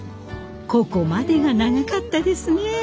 ここまでが長かったですね。